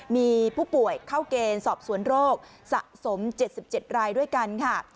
มีผู้ป่วยเข้าเกณฑ์สอบสวนโรคสะสม๗๗รายด้วยกันค่ะ